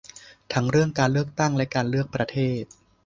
ทั้งเรื่องการเลือกตั้งและการเลือกประเทศ